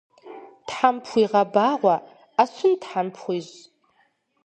Тхьэм пхуигъэбагъуэ, ӏэщын тхьэм пхуищӏ.